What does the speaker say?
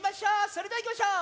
それではいきましょう！